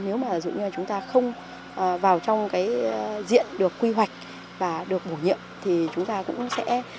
nếu mà dù như là chúng ta không vào trong cái diện được quy hoạch và được bổ nhiệm thì chúng ta cũng sẽ